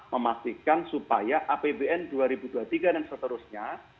memastikan supaya apbn dua ribu dua puluh tiga dan seterusnya